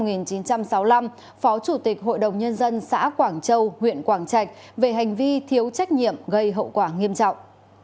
phó chủ tịch hội đồng nhân dân xã quảng châu huyện quảng trạch về hành vi thiếu trách nhiệm gây hậu quả nghiêm trọng